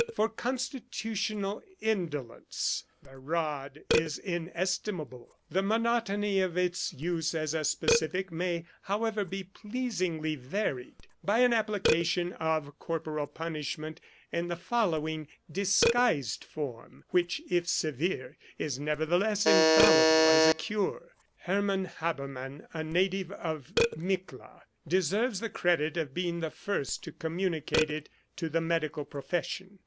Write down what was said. For constitutional indolence the rod is inestim able ; the monotony of its use as a specific may, however, be pleasingly varied by an application of corporal punishment in the following disguised form, which, if severe, is nevertheless infallible as a cure. Hermann Habermann, a native of Mikla, deserves the credit of being the first to communicate it to the medical profession.